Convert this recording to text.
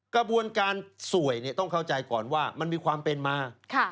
กระบวนการสวยต้องเข้าใจก่อนว่ามันมีความเป็นมา